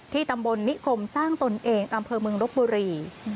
ตำบลนิคมสร้างตนเองอำเภอเมืองรบบุรี